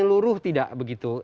menyeluruh tidak begitu